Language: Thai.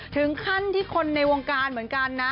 ถึงขั้นที่คนในวงการเหมือนกันนะ